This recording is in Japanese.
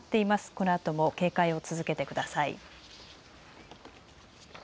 このあとも警戒を続けてください。